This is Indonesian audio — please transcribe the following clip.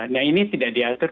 nah ini tidak diatur